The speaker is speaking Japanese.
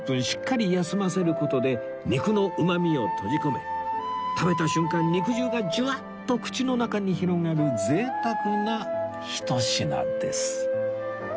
しっかり休ませる事で肉のうまみを閉じ込め食べた瞬間肉汁がジュワッと口の中に広がる贅沢なひと品です